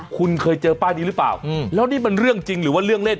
คุณเคยเจอป้ายนี้หรือเปล่าแล้วนี่มันเรื่องจริงหรือว่าเรื่องเล่น